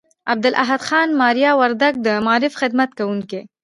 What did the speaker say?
عبدالاحد خان مایار وردگ، د معارف خدمت کوونکي